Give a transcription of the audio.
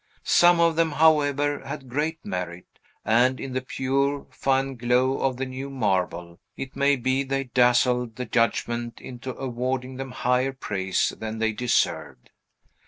Some of them, however, had great merit; and in the pure, fine glow of the new marble, it may be, they dazzled the judgment into awarding them higher praise than they deserved.